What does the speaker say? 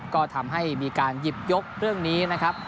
ก็ทำให้มีการหยิบยกเรื่องนี้นะครับ